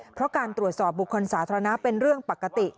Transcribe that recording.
เพราะการตรวจสอบบุคคลสาธารณะเป็นเรื่องปกติ